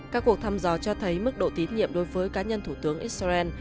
các cuộc thăm dò cho thấy mức độ tín nhiệm đối với cá nhân thủ tướng israel